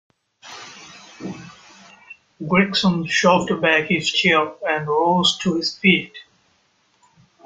Gregson shoved back his chair and rose to his feet.